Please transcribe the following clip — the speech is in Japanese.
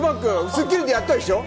『スッキリ』でやったでしょ？